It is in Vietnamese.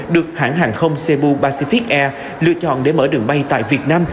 được hãng hàng không cebu pacific air lựa chọn để mở đường bay tại việt nam